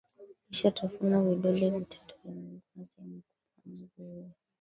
kisha tafuna vidole vitatu vya miguu na sehemu kubwa ya mguu huo